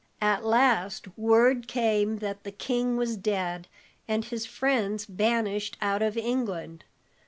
At last, word came that the king was dead and his friends banished out of England.